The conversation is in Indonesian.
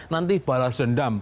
nanti balas dendam